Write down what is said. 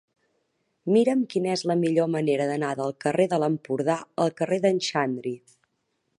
Mira'm quina és la millor manera d'anar del carrer de l'Empordà al carrer d'en Xandri.